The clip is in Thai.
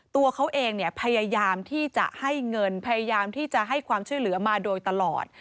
ตัวเขาเองเนี่ยพยายามที่จะให้เงินพยายามที่จะให้ความช่วยเหลือมาโดยตลอด